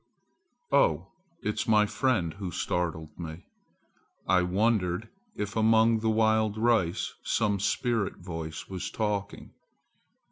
"Oh, it is my friend who startled me. I wondered if among the wild rice some spirit voice was talking.